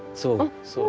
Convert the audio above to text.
そう。